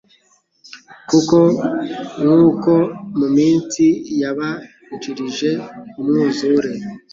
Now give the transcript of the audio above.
kuko nkuko mu minsi yabanjirije umwuzure,